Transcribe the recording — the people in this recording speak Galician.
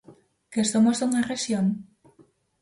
Que somos unha rexión?